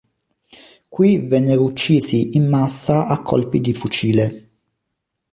Qui vennero uccisi in massa a colpi di fucile.